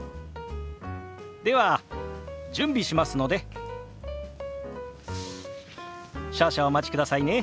では準備しますので少々お待ちくださいね。